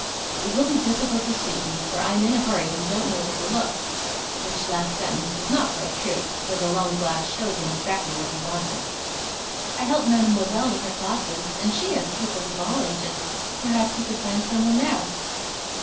It will be difficult to suit me, for I'm in a hurry and don't know where to look," which last sentence was not quite true, for the long glass showed him exactly what he wanted. "I help Mademoiselle with her classes, and she has pupils of all ages; perhaps you could find some one there."